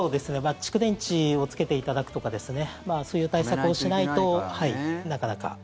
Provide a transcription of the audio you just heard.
蓄電池をつけていただくとかそういう対策をしないとなかなか。